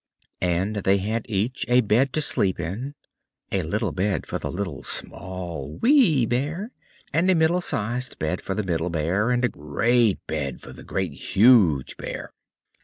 And they had each a bed to sleep in; a little bed for the Little, Small, Wee Bear; and a middle sized bed for the Middle Bear, and a great bed for the Great, Huge Bear.